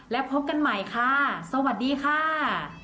แล้วพบกันใหม่ค่ะสวัสดีค่ะ